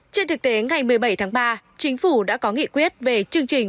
trên thực tế ngày một mươi bảy tháng ba chính phủ đã có nghị quyết về chương trình